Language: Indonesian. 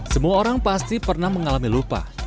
semua orang pasti pernah mengalami lupa